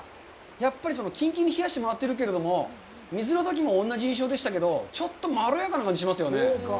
やっぱりきんきんに冷やしてもらってるけども水のときも同じ印象でしたけど、ちょっとまろやかな感じしますよね。